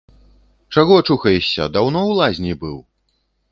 Чаго чухаешся, даўно ў лазні быў?